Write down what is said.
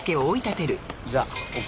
じゃあ奥。